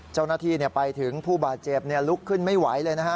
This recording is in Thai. เจ้าหน้าที่ไปถึงผู้บาดเจ็บลุกขึ้นไม่ไหวเลยนะฮะ